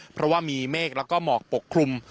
เพราะว่ามีเมฆแล้วก็หมอกปกคลุม